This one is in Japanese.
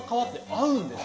合うんです。